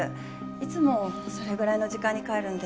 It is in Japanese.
いつもそれぐらいの時間に帰るんで。